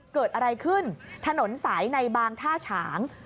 เกิดอะไรขึ้นถนนสายในบางท่าฉาง